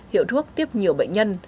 hiệu thuốc tiếp nhiều bệnh nhân